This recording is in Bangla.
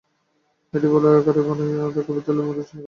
এটি বলের আকারে বানিয়ে আধা কাপ তেলের মধ্যে ছয় ঘণ্টা রাখুন।